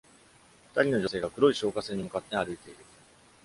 二人の女性が黒い消火栓に向かって歩いている。